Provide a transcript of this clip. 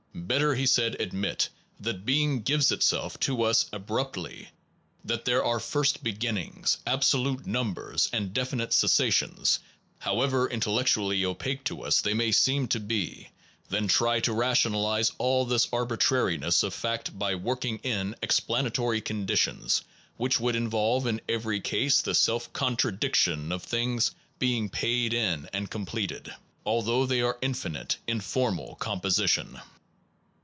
Better, he said, admit that being gives itself to us ab ruptly, that there are first beginnings, abso lute numbers, and definite cessations, however intellectually opaque to us they may seem to be, than try to rationalize all this arbitrariness of fact by working in explanatory conditions which would involve in every case the self contradiction of things being paid in and com pleted, although they are infinite in formal composition.